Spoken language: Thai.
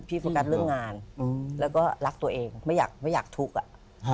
พี่โฟกัสเรื่องงานแล้วก็รักตัวเองไม่อยากทุกข์อะ